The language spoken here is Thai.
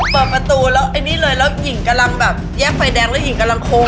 เปิดประตูแล้วไอ้นี่เลยแล้วหญิงกำลังแบบแยกไฟแดงแล้วหญิงกำลังโค้ง